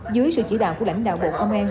dưới sự chỉ đạo của lãnh đạo bộ công an